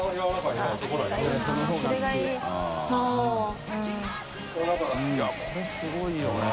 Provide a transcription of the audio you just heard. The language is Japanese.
いこれすごいよね。